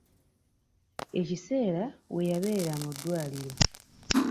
Ekiseera we yabeerera mu ddwaliro .